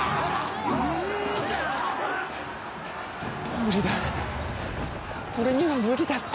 無理だ俺には無理だって。